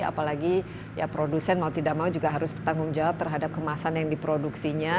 apalagi ya produsen mau tidak mau juga harus bertanggung jawab terhadap kemasan yang diproduksinya